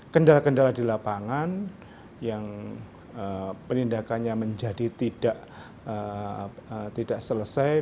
kendala kendala di lapangan yang penindakannya menjadi tidak selesai